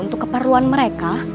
untuk keperluan mereka